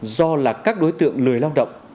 do là các đối tượng lừa lao động